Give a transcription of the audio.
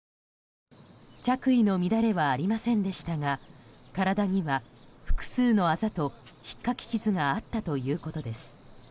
着衣の乱れはありませんでしたが体には複数のあざとひっかき傷があったということです。